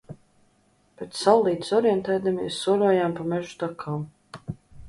Pēc saulītes orientēdamies soļojām pa mežu takām.